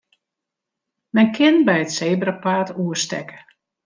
Men kin by it sebrapaad oerstekke.